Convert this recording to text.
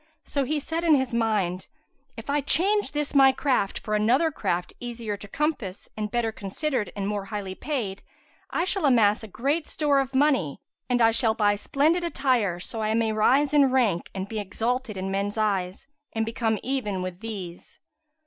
So he said in his mind, "If I change this my craft for another craft easier to compass and better considered and more highly paid, I shall amass great store of money and I shall buy splendid attire, so I may rise in rank and be exalted in men's eyes and become even with these."